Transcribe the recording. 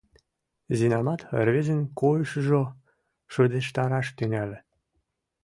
Зинамат рвезын койышыжо шыдештараш тӱҥале.